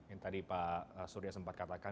yang tadi pak surya sempat katakan